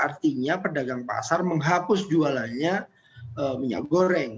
artinya pedagang pasar menghapus jualannya minyak goreng